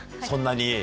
そんなに？